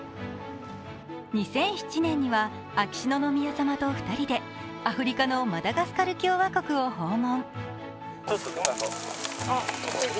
２００７年には秋篠宮様と２人でアフリカのマダガスカル共和国を訪問。